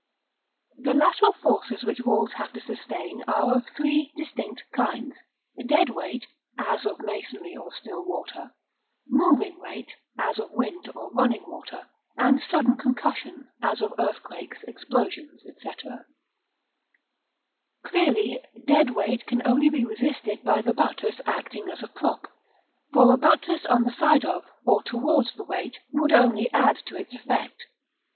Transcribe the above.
The lateral forces which walls have to sustain are of three distinct kinds: dead weight, as of masonry or still water; moving weight, as of wind or running water; and sudden concussion, as of earthquakes, explosions, &c. Clearly, dead weight can only be resisted by the buttress acting as a prop; for a buttress on the side of, or towards the weight, would only add to its effect.